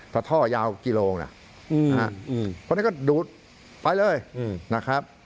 สักท่อยาวกี่โลกนะครับเพราะนั้นก็ดูดไปเลยนะครับ